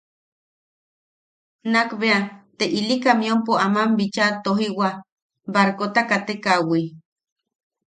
Nakbea te ili kamiompo aman bicha totojiwa barkota katekaʼawi.